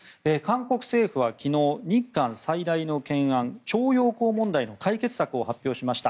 韓国政府は昨日、日韓最大の懸案徴用工問題の解決策を発表しました。